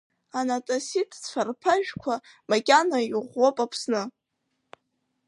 Анацаситцәа рԥашәқәа макьана иӷәӷәоуп Аԥсны.